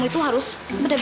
iya kuat mental